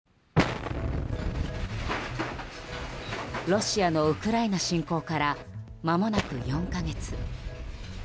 ロシアのウクライナ侵攻からまもなく４か月。